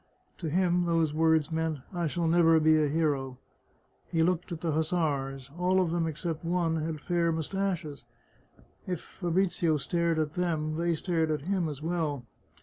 To him those words meant, " I shall never be a hero !" He looked at the hussars. All of them except one had fair mustaches. If Fabrizio stared at them, they stared at him as well.